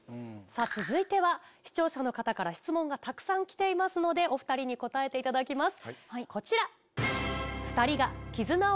続いては視聴者の方から質問がたくさんきていますのでお２人に答えていただきます。